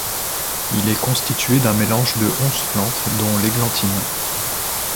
Il est constitué d'un mélange de onze plantes dont l'églantine.